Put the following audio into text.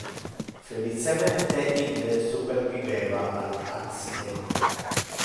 Felicemente ille superviveva al accidente.